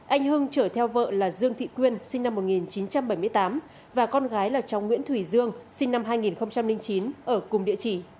anh hưng chở theo vợ là dương thị quyên sinh năm một nghìn chín trăm bảy mươi tám và con gái là cháu nguyễn thủy dương sinh năm hai nghìn chín ở cùng địa chỉ